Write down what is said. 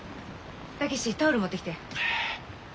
武志タオル持ってきて。